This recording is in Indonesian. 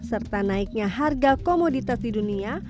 serta naiknya harga komoditas di dunia